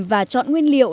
và chọn nguyên liệu